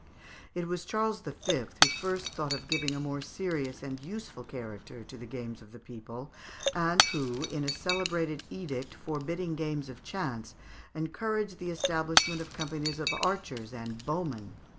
It was Charles V. who first thought of giving a more serious and useful character to the games of the people, and who, in a celebrated edict forbidding games of chance, encouraged the establishment of companies of archers and bowmen.